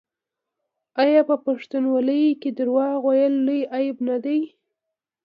آیا په پښتونولۍ کې دروغ ویل لوی عیب نه دی؟